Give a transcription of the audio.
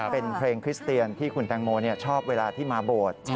เป็นเพลงคริสเตียนที่คุณแตงโมชอบเวลาที่มาโบสถ์